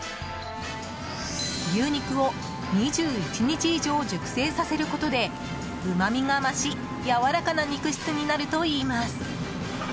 牛肉を２１日以上熟成させることでうまみが増しやわらかな肉質になるといいます。